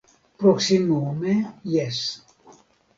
Proksimume, jes.